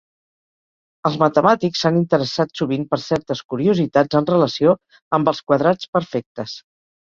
Els matemàtics s'han interessat sovint per certes curiositats en relació amb els quadrats perfectes.